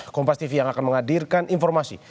kompastv yang akan menghadirkan informasi